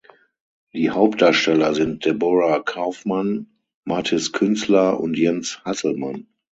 Die Hauptdarsteller sind Deborah Kaufmann, Mathis Künzler und Jens Hasselmann.